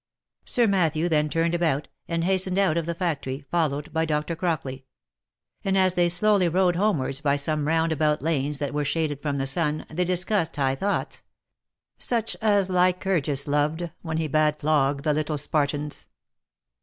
Sir Matthew then turned about, and hastened out of the factory, followed by Dr. Crockley ; and as they slowly rode homewards by some round about lanes that were shaded from the sun, they dis cussed high thoughts, " Such as Lycurgus loved, When he bade flog the little Spartans."